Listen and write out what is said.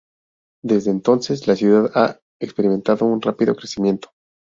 Desde entonces, la ciudad ha experimentado un rápido crecimiento.